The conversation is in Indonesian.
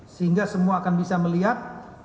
sehingga semua akan bisa melihat